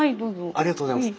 ありがとうございます。